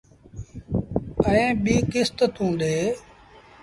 ائيٚݩ ٻيٚ ڪست توݩ ڏي۔